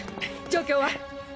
状況は？